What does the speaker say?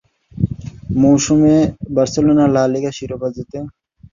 মৌসুমে Barcelona La Liga শিরোপা জেতে।